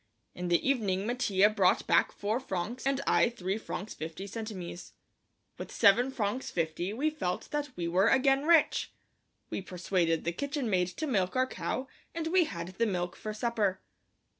In the evening Mattia brought back four francs and I three francs fifty centimes. With seven francs fifty we felt that we were again rich. We persuaded the kitchen maid to milk our cow and we had the milk for supper.